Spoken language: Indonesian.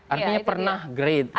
artinya pernah great